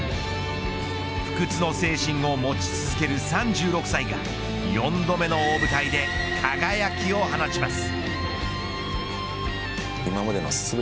不屈の精神を持ち続ける３６歳が４度目の大舞台で輝きを放ちます。